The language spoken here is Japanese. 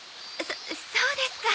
そそうですか。